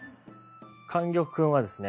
莟玉君はですね